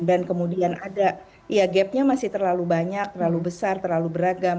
dan kemudian ada gap nya masih terlalu banyak terlalu besar terlalu beragam